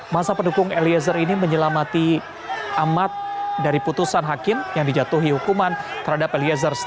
masa pendukung eliezer ini menyelamati amat dari putusan hakim yang dijatuhi hukuman terhadap eliezer